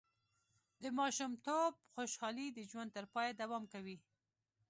د ماشومتوب خوشحالي د ژوند تر پایه دوام کوي.